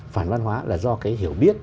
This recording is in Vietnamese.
phản văn hóa là do cái hiểu biết